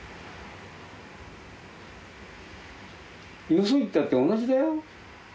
よそ行ったって同じだよ？